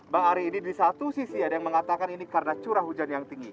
bang ari ini di satu sisi ada yang mengatakan ini karena curah hujan yang tinggi